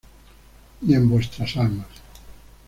Y en vuestras almas.